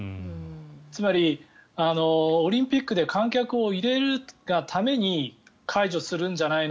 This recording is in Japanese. つまり、オリンピックで観客を入れるがために解除するんじゃないの？